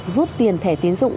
rút tiền thẻ tín dụng